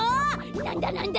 なんだなんだ？